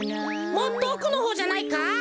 もっとおくのほうじゃないか？